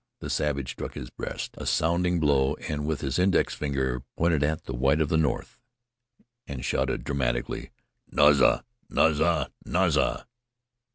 The savage struck his breast a sounding blow and with his index finger pointed at the white of the north, he shouted dramatically: "Naza! Naza! Naza!"